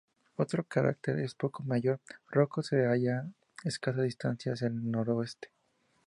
Otro cráter un poco mayor, Rocco se halla a escasa distancia hacia el nor-noreste.